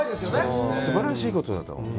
すばらしいことだと思う。